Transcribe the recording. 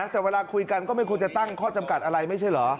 แต่เวลาคุยกันก็ไม่ควรจะตั้งข้อจำกัดอะไรไม่ใช่เหรอ